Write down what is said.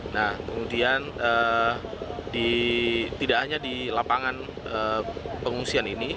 nah kemudian tidak hanya di lapangan pengungsian ini